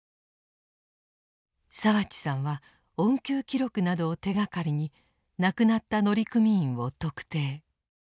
澤地さんは恩給記録などを手がかりに亡くなった乗組員を特定。